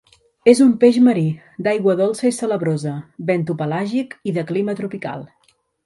És un peix marí, d'aigua dolça i salabrosa; bentopelàgic i de clima tropical.